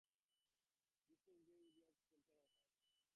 The estate includes a Youth Hostel, Tanners Hatch.